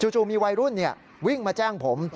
จู่มีวัยรุ่นวิ่งมาแจ้งผม